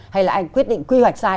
hay là anh quyết định quy hoạch sai